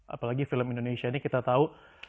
apalagi film indonesia ini kita tahu